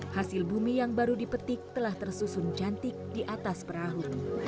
hasil bumi yang baru dipetik telah tersusun cantik di atas perahu